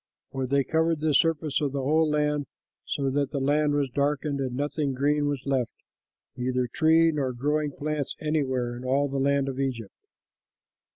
For they covered the surface of the whole land, so that the land was darkened and nothing green was left, neither tree nor growing plants, anywhere in all the land of Egypt.